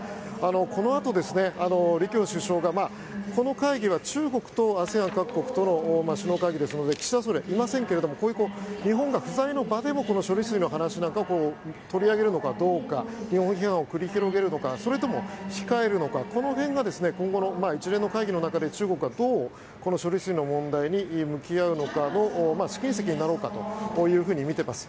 このあと李強首相が、この会議は中国とＡＳＥＡＮ各国との首脳会議ですので岸田総理はいませんがこういう日本が不在の場でも処理水の話なんかを取り上げるのかどうか日本批判を繰り広げるのかそれとも控えるのかこの辺が今後の一連の会議の中で中国はどうこの処理水の問題に向き合うのか試金石になろうかというふうにみています。